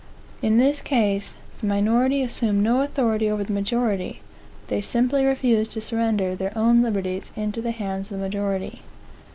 In this case, the minority assume no authority over the majority; they simply refuse to surrender their own liberties into the hands of the majority.